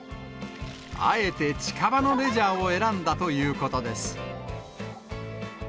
あえて近場のレジャーを選んだということです。